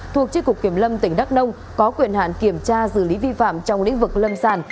thuộc tri cục kiểm lâm tỉnh đắk nông có quyền hạn kiểm tra xử lý vi phạm trong lĩnh vực lâm sản